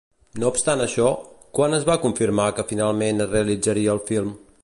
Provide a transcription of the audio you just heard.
No obstant això, quan es va confirmar que finalment es realitzaria el film?